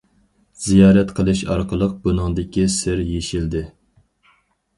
زىيارەت قىلىش ئارقىلىق بۇنىڭدىكى سىر يېشىلدى.